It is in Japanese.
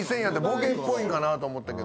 ボケっぽいんかなと思ったけど。